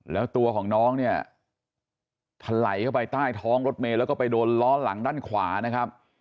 แล้วตัวของน้องเนี่ยถลายเข้าไปใต้ท้องรถเมย์แล้วก็ไปโดนล้อหลังด้านขวานะครับ